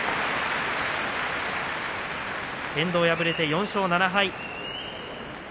遠藤、敗れて４勝７敗。